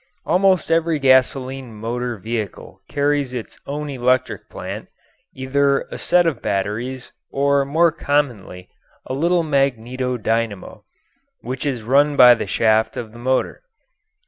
Almost every gasoline motor vehicle carries its own electric plant, either a set of batteries or more commonly a little magneto dynamo, which is run by the shaft of the motor.